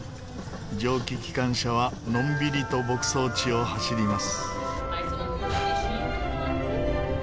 蒸気機関車はのんびりと牧草地を走ります。